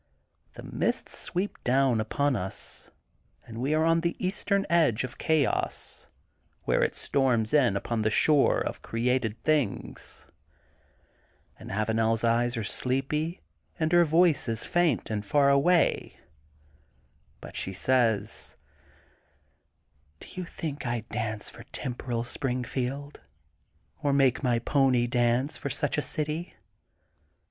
. The mists sweep down upon us, and we are on the very eastern edge of Chaos, where it storms in upon the shore of created things. And AvanePs eyes are sleepy and her voice is faint and far away. But she says: Do you think I dance for temporal Springfield, or make my pony dance for such a city?